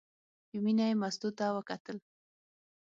په مینه یې مستو ته وکتل.